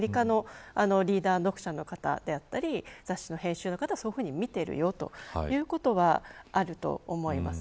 アメリカのリーダー読者の方だったり雑誌の編集者の方はそう見ているよ、ということはあると思います。